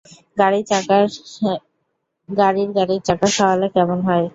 গাড়ির গাড়ির চাকা খাওয়ালে কেমন হয়?